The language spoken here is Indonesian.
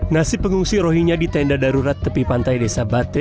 nasib pengungsi rohingya di tenda darurat tepi pantai desa bate